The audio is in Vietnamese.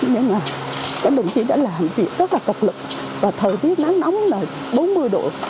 nhưng mà các đồng chí đã làm việc rất là cực lực và thời tiết nóng nóng là bốn mươi độ